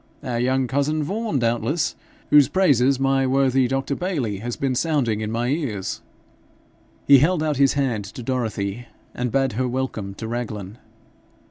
Our young cousin Vaughan, doubtless, whose praises my worthy Dr. Bayly has been sounding in my ears?' He held out his hand to Dorothy, and bade her welcome to Raglan.